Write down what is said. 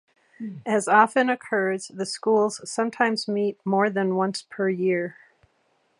As often occurs, the schools sometimes meet more than once per year.